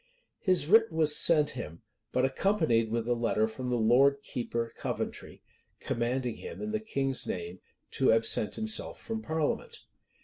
His writ was sent him, but accompanied with a letter from the lord keeper Coventry, commanding him, in the king's name, to absent himself from parliament.